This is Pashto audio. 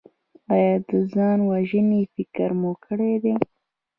ایا د ځان وژنې فکر مو کړی دی؟